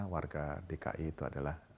warga dki itu adalah